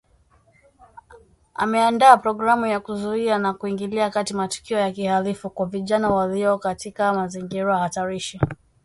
Ameandaa programu ya kuzuia na kuingilia kati matukio ya kihalifu kwa vijana walio kaitka mazingira hatarishi